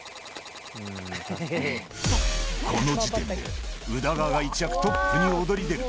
この時点で、宇田川が一躍トップに躍り出る。